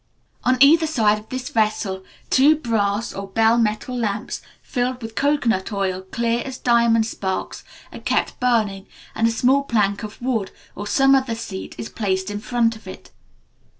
On either side of this vessel, two brass or bell metal lamps, filled with cocoanut oil clear as diamond sparks, are kept burning, and a small plank of wood, or some other seat, is placed in front of it.